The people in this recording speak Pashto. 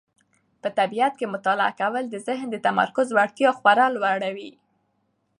په طبیعت کې مطالعه کول د ذهن د تمرکز وړتیا خورا لوړوي.